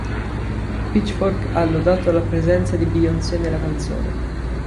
Pitchfork ha lodato la presenza di Beyoncé nella canzone.